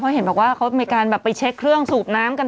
เขาเห็นที่เขาการไปเช็คเครื่องสูบน้ำกัน